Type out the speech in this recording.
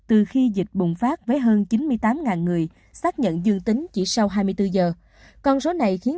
từ khi dịch bùng phát với hơn chín mươi tám người xác nhận dương tính chỉ sau hai mươi bốn giờ con số này khiến